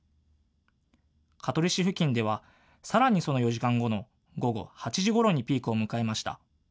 香取市付近ではさらにその４時間後の午後８時ごろにピークを迎えました。